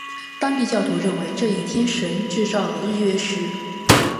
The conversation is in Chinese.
当地教徒认为这一天神制造了日月食。